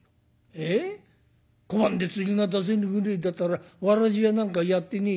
ええ小判で釣りが出せるぐれえだったらわらじ屋なんかやってねえ。